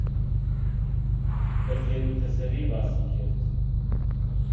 بە تێروتەسەلی باسی کرد